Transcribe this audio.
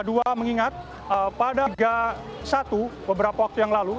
saya ingat pada liga satu beberapa waktu yang lalu